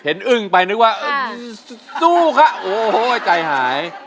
อึ้งไปนึกว่าสู้ค่ะโอ้โหใจหาย